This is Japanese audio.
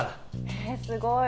へえすごい！